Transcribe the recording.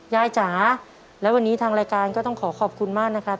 จ๋าและวันนี้ทางรายการก็ต้องขอขอบคุณมากนะครับ